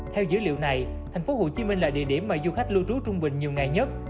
theo dữ liệu này tp hcm là địa điểm mà du khách lưu trú trung bình nhiều ngày nhất